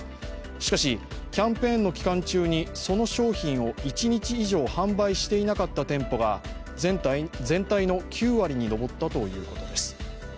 しかし、キャンペーンの期間中にその商品を１日以上販売していなかった店舗が全体の９割に上ったということです